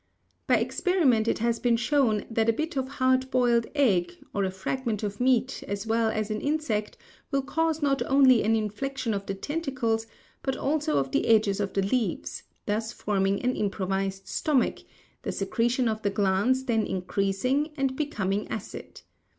By experiment it has been shown that a bit of hard boiled egg, or a fragment of meat as well as an insect will cause not only an inflection of the tentacles but also of the edges of the leaves, thus forming an improvised stomach, the secretion of the glands then increasing and becoming acid.